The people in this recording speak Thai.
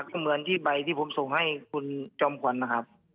ก็เหมือนที่ใบที่ผมส่งให้คุณจอมขวัญนะครับ